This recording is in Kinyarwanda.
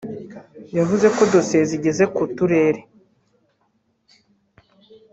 yavuze ko dosiye zigeze ku turere